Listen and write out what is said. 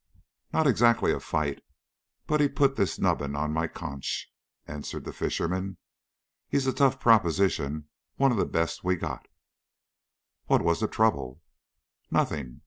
"Not exactly a fight, but he put this nubbin on my conch," answered the fisherman. "He's a tough proposition, one of the best we've got." "What was the trouble?" "Nothing!